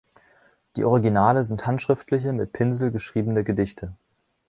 Die Originale sind handschriftliche, mit Pinsel geschriebene Gedichte.